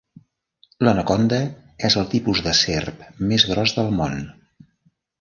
L'anaconda és el tipus de serp més gros del món.